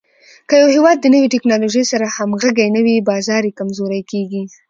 که یو هېواد د نوې ټکنالوژۍ سره همغږی نه وي، بازار یې کمزوری کېږي.